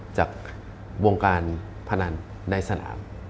จากวงการพนันในสนาม